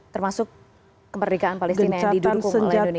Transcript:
termasuk kemerdekaan palestina yang didukung oleh indonesia